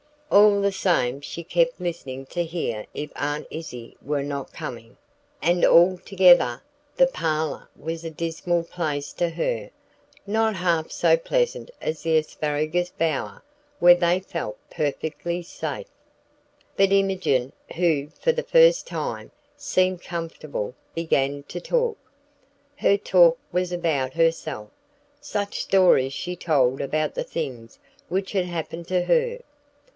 All the time she kept listening to hear if Aunt Izzie were not coming, and altogether the parlor was a dismal place to her; not half so pleasant as the asparagus bower, where they felt perfectly safe. But Imogen, who, for the first time, seemed comfortable, began to talk. Her talk was about herself. Such stories she told about the things which had happened to her!